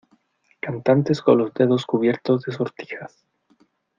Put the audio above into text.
cantantes con los dedos cubiertos de sortijas